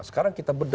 sekarang kita bedah